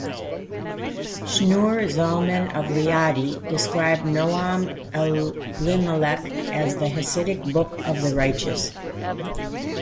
Schneur Zalman of Liadi described Noam Elimelech as the Hasidic "book of the righteous".